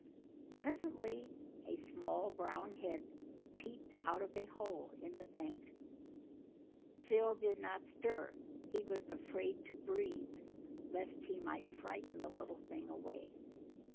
Presently a small brown head peeped out of a hole in the bank. Phil did not stir; he was afraid to breathe lest he might frighten the little thing away.